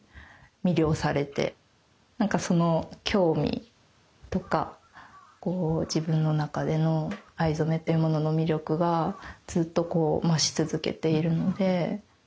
なんかその興味とか自分の中での藍染めっていうものの魅力がずっとこう増し続けているので。